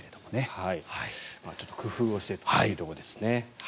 ちょっと工夫をしてというところですね。